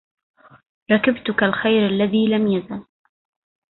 ركبتك الخير التي لم يزل